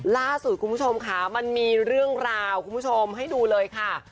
ล่าสุดคุณผู้ชมค่ะมันมีเรื่องราวคุณผู้ชมให้ดูเลยค่ะ